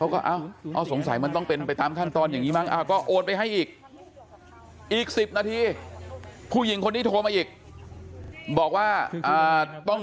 เขาก็สงสัยมันต้องเป็นไปตามขั้นตอนอย่างนี้มั้ง